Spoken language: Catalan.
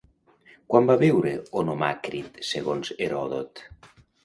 Quan va viure Onomàcrit, segons Heròdot?